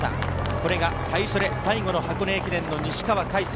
これが最初で最後の箱根駅伝の西川魁星。